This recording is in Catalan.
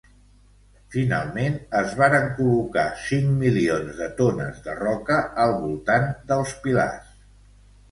Finalment es varen col·locar cinc milions de tones de roca al voltant dels pilars.